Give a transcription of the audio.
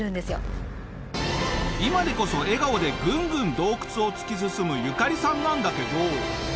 今でこそ笑顔でぐんぐん洞窟を突き進むユカリさんなんだけど。